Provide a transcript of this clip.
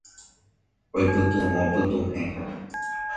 Oipytyvõ pytuhẽ.